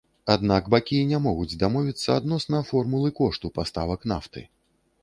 Аднак бакі не могуць дамовіцца адносна формулы кошту паставак нафты.